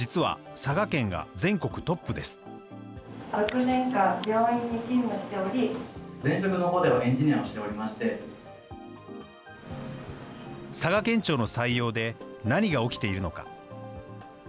佐賀県庁の採用で何が起きているのか。